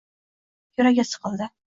Yuragi siqildi.